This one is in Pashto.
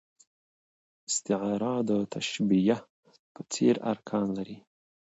استعاره د تشبېه په څېر ارکان لري.